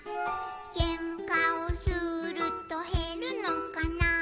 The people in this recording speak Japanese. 「けんかをするとへるのかな」